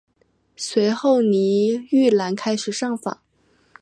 随后倪玉兰开始上访。